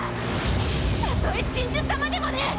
たとえ神樹様でもね